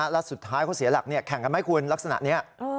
แล้วสุดท้ายเขาเสียหลักแข่งกันไหมคุณลักษณะนี้